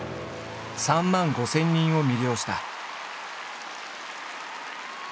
３万５，０００人を魅了した。